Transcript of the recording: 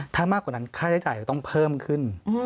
ถ้ามากกว่านั้นค่าใช้จ่ายจะต้องเพิ่มขึ้น